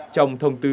trong thông tư